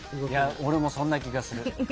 俺もそんな気がする。